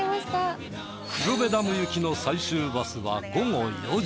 黒部ダム行きの最終バスは午後４時。